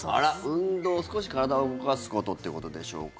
運動、少し体を動かすことということでしょうか。